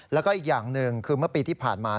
แล้วก็อีกอย่างหนึ่งคือเมื่อปีที่ผ่านมา